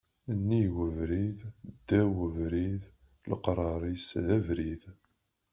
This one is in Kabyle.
Nnig ubrid, ddaw ubrid, leqrar-is d abrid